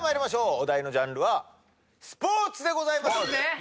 お題のジャンルはスポーツでございます。